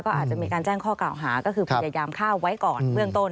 ก็อาจจะมีการแจ้งข้อกล่าวหาก็คือพยายามฆ่าไว้ก่อนเบื้องต้น